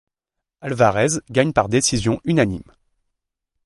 Alvarez gagne par décision unanime.